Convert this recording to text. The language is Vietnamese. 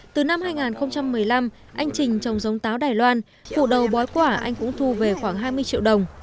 từ năm hai nghìn một mươi năm anh trình trồng giống táo đài loan phụ đầu bói quả anh cũng thu về khoảng hai mươi triệu đồng